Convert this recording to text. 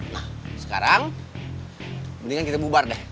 nah sekarang mendingan kita bubar deh